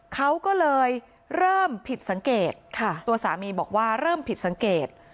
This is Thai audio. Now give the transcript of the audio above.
เขาก็เลยเริ่มผิดสังเกตตัวสามีบอกว่าเริ่มผิดสังเกต